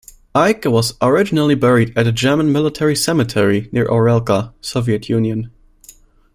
Eicke was originally buried at a German military cemetery near Orelka, Soviet Union.